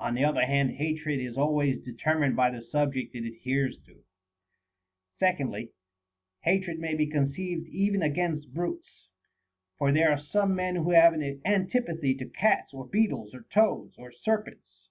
On the other hand, hatred is always deter mined by the subject it adheres to. 96 OF ENVY AND HATRED. 3. Secondly, hatred may be conceived even against brutes ; for there are some men who have an antipathy to cats or beetles or toads or serpents.